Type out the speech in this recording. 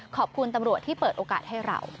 ขอบคุณตำรวจที่เปิดโอกาสให้เรา